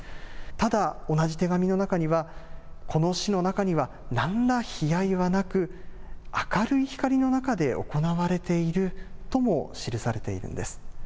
ただ、同じ手紙の中には、この死の中には、なんら悲哀はなく、明るい光の中で行われているとも記されているんです。